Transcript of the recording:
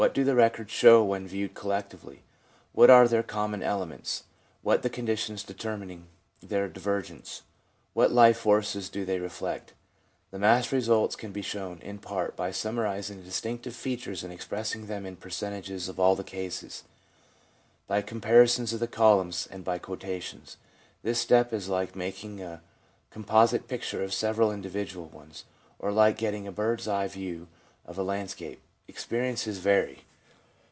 What do the records show when viewed collectively ? What are their common elements ? What the conditions determining their divergence?' What life forces do they reflect? The massed results can be shown in part, by summarising the distinctive features and expressing them in percentages of all the cases, by comparisons of the columns and by quotations. This step is like making a composite picture from several individual ones, or like getting a bird's eye view of a landscape. Experiences vary.